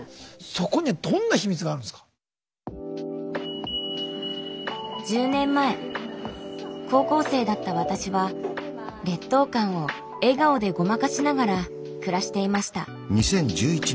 そこには１０年前高校生だった私は劣等感を笑顔でごまかしながら暮らしていました。